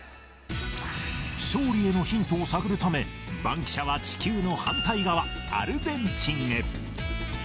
勝利へのヒントを探るため、バンキシャは地球の反対側、アルゼンチンへ。